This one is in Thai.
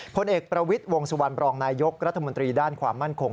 พลเอกประวิทย์วงสุวรรณบรองนายยกรัฐมนตรีด้านความมั่นคง